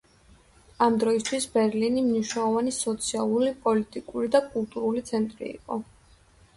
ამ დროისთვის ბერლინი მნიშვნელოვანი სოციალური, პოლიტიკური და კულტურული ცენტრი იყო.